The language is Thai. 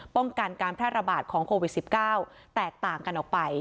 ป้องกันการแพร่ระบาดของโควิด๑๙แตกต่างกันออกไป